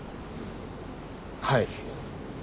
はい。